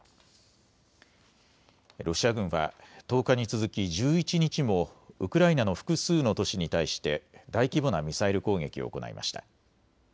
ロシア軍は１０日に続き１１日もウクライナの複数の都市に対して大規模なミサイル攻撃を行いました。